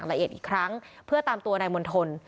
ละเอียดอีกครั้งเพื่อตามตัวนายมณฑล